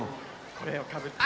これをかぶって。